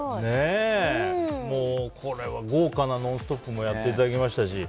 もう、これは豪華な「ノンストップ！」もやっていただきましたし。